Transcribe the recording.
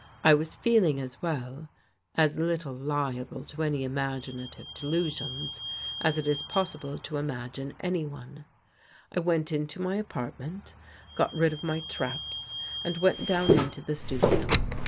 I was feeling as well — as little liable to any imaginative delusions — as it is possible to imagine anyone. I went into my apartment, got rid of my traps and went down into the studio.